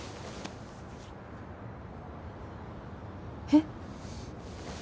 えっ？